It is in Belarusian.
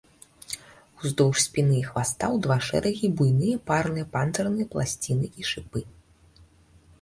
Удоўж спіны і хваста ў два шэрагі буйныя парныя панцырныя пласціны і шыпы.